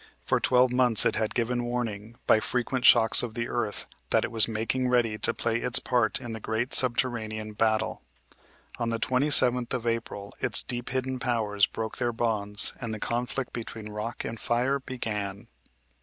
For twelve months it had given warning, by frequent shocks of the earth, that it was making ready to play its part in the great subterranean battle. On the 27th of April its deep hidden powers broke their bonds, and the conflict between rock and fire began.